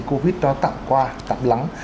covid tạm qua tạm lắng